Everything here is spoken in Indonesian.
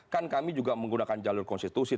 kan kami juga menggunakan jalur konstitusi